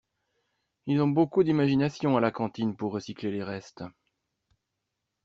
Ils ont beaucoup d'imagination à la cantine pour recycler les restes.